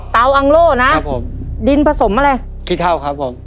อังโล่นะครับผมดินผสมอะไรขี้เท่าครับผม